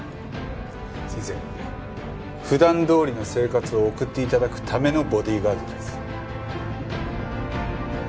先生普段どおりの生活を送って頂くためのボディーガードです。